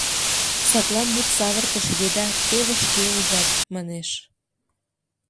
Садлан мут савыртыш еда «теве шке ужат» манеш.